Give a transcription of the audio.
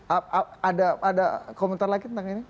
ada komentar lagi tentang ini